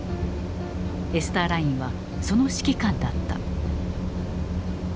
エスターラインはその指揮官だった。